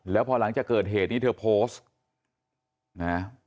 แล้วพอหลังจากเกิดเหตุนี้เธอโพสต์นะ